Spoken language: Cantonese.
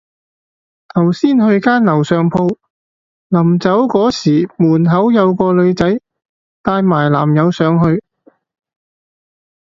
頭先去間樓上鋪，臨走嗰時門口有個女仔帶埋男友上去